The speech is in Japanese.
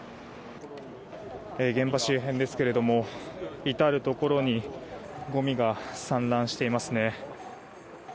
現場周辺ですけれども至るところにごみが散乱していますね。